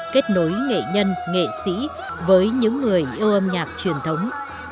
kết nối nghệ nhân nghệ sĩ với những người yêu âm nhạc truyền thống